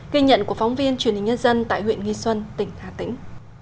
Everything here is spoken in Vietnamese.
ghi nhận của phóng viên truyền hình nhân dân tại huyện nghi xuân tỉnh hà tĩnh